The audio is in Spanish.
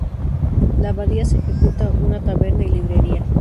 La abadía se ejecuta una taberna y librería.